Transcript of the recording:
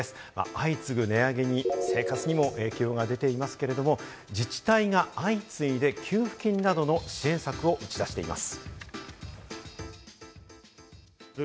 相次ぐ値上げに、生活にも影響が出ていますけれども、自治体が相次いで給付金などの支援策を打ち出しています。